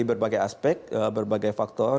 berbagai aspek berbagai faktor